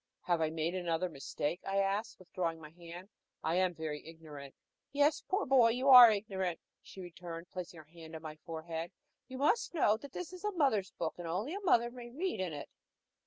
"Have I made another mistake?" I asked, withdrawing my hand. "I am very ignorant." "Yes, poor boy, you are very ignorant," she returned, placing her hand on my forehead. "You must know that this is a mother's book, and only a mother may read in it."